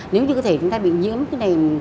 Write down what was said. nếu như cơ thể chúng ta bị nhiễm